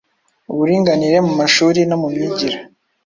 Uburinganire mu mashuri no mu myigire.